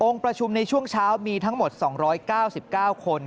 ประชุมในช่วงเช้ามีทั้งหมด๒๙๙คน